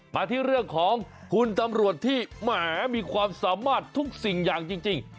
มาที่เรื่องของคุณตำรวจที่แหมมีความสามารถทุกสิ่งอย่างจริง